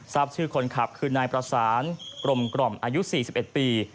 ทราบชื่อคนขับคือนายประสานกลมกล่อมอายุ๔๑ปี